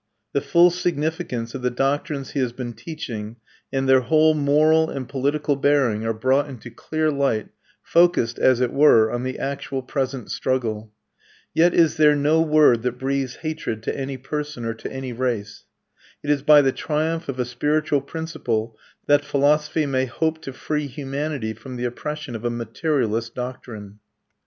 The full significance of the doctrines he has been teaching, and their whole moral and political bearing, are brought into clear light, focussed, as it were, on the actual present struggle. Yet is there no word that breathes hatred to any person or to any race. It is by the triumph of a spiritual principle that philosophy may hope to free humanity from the oppression of a materialist doctrine.